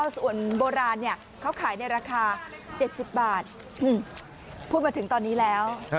ส่วนโบราณเขาขายในราคา๗๐บาทพูดมาถึงตอนนี้แล้ว